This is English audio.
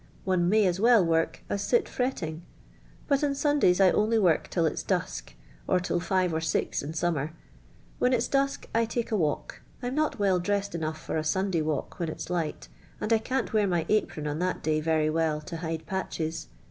One may as well worK us Hit trettin;;. Jiut on Sundays I only WDik till It's dusk, or till live or six in summer. AVlii'u it'j* dusk I take a walk. I "m not well dre» »ed ruou^h tor a Suniiay walk when it's li^rit, and I can't wear xny apron on thiit day very wiil In hiiio patches.